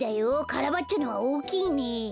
カラバッチョのはおおきいね。